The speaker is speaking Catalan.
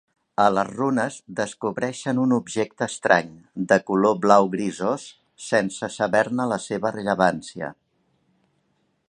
A les runes descobreixen un objecte estrany, de color blau grisós, sense saber-ne la seva rellevància.